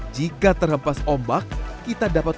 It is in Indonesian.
jika terhempas ombak kita dapat